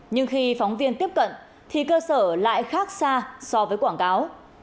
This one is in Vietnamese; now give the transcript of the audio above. nhưng khi phóng viên tiếp cận thì cơ sở lại khác xa so với quảng cáo